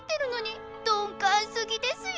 鈍感すぎですよ！